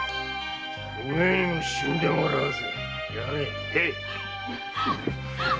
お前にも死んでもらうぜ。